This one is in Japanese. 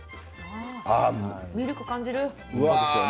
ミルクを感じる。